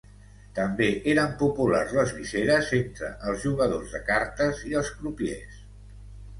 També eren populars les viseres entre els jugadors de cartes i els crupiers.